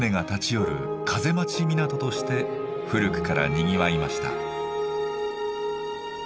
風待ち港として古くからにぎわいました。